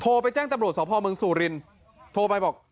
ไปแจ้งตำรวจสพเมืองสุรินโทรไปบอก